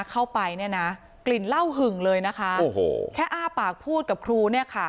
เข้าไปเนี่ยนะกลิ่นเหล้าหึงเลยนะคะโอ้โหแค่อ้าปากพูดกับครูเนี่ยค่ะ